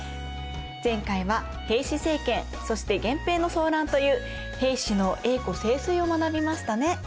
前回は平氏政権そして源平の争乱という平氏の栄枯盛衰を学びましたね。